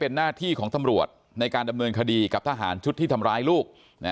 เป็นหน้าที่ของตำรวจในการดำเนินคดีกับทหารชุดที่ทำร้ายลูก